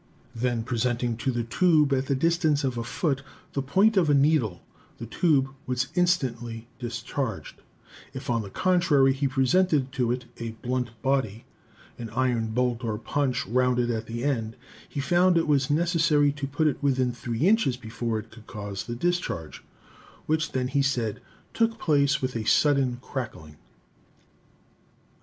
Then, presenting to the tube, at the distance of a foot, the point of a needle, the tube was instantly discharged; if, on the contrary, he presented to it a blunt body, an iron bolt or punch rounded at the end, he found it was neces sary to put it within three inches before it could cause the discharge, which then, he said, took place with a sudden crackling.